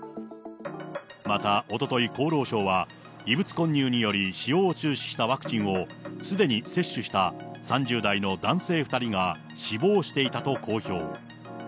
またおととい厚労省は、異物混入により使用を中止したワクチンを、すでに接種した３０代の男性２人が死亡していたと公表。